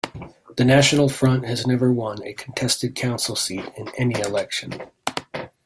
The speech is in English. The National Front has never won a contested council seat in any election.